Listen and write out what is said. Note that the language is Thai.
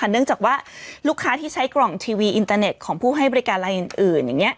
เนื่องจากว่าลูกค้าที่ใช้กล่องทีวีอินเตอร์เน็ตของผู้ให้บริการรายอื่นอย่างนี้